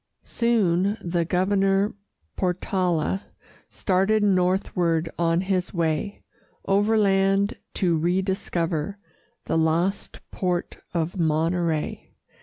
Soon, the Governor Portala Started northward, on his way Overland, to rediscover The lost port of Monterey.